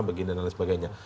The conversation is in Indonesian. begini dan lain sebagainya